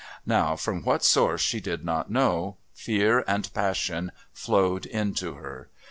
Now, from what source she did not know, fear and passion flowed into her.